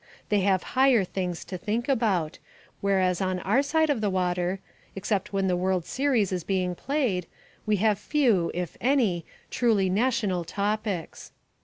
They have higher things to talk about, whereas on our side of the water, except when the World's Series is being played, we have few, if any, truly national topics.